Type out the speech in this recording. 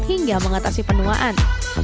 hingga mengatasi penuaan